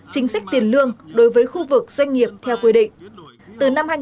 chính sách tiền lương đối với khu vực doanh nghiệp theo quy định